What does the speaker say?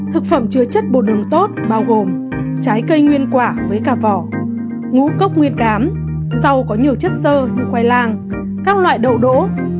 thực phẩm chứa chất bột đường tốt bao gồm trái cây nguyên quả với cà vỏ ngũ cốc nguyên cám rau có nhiều chất sơ như khoai lang các loại đậu đỗ